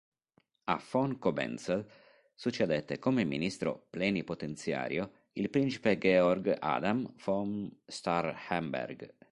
A Von Cobenzl succedette come ministro plenipotenziario il principe Georg Adam von Starhemberg.